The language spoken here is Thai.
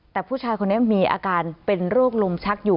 แต่ผู้ชายคนนี้มีอาการเป็นโรคลมชักอยู่